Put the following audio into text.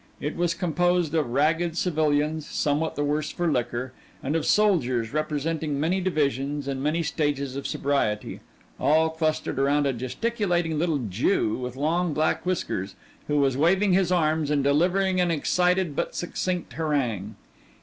It was composed of ragged civilians somewhat the worse for liquor, and of soldiers representing many divisions and many stages of sobriety, all clustered around a gesticulating little Jew with long black whiskers, who was waving his arms and delivering an excited but succinct harangue.